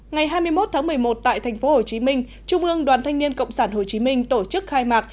ngày hai mươi một tháng một mươi một tại thành phố hồ chí minh trung ương đoàn thanh niên cộng sản hồ chí minh tổ chức khai mạc